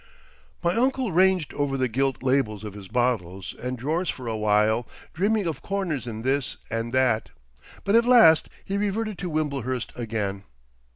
My uncle ranged over the gilt labels of his bottles and drawers for a while, dreaming of corners in this and that. But at last he reverted to Wimblehurst again.